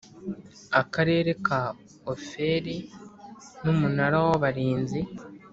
Akarere ka Ofeli n’umunara w’abarinzi